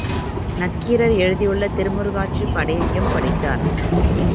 நக்கீரர் எழுதியுள்ள திருமுருகாற்றுப் படையையும் படித்தார்.